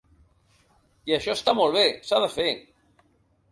I això està molt bé, s’ha de fer.